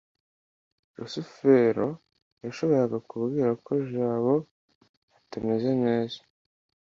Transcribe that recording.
rusufero yashoboraga kubwira ko jabo atameze neza